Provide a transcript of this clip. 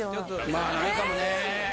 まあないかもね。